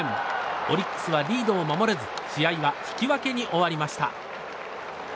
オリックスはリードを守れず試合は引き分けに終わりました。